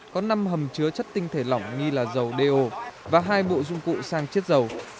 có năm hầm chứa chất tinh thể lỏng nghi là dầu do và hai bộ dụng cụ sang chiết dầu